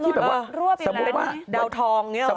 รวบอีกแล้วเป็นดาวทองอย่างนี้หรอ